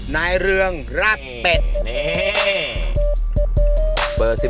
นายเรืองรักเป็ดนี่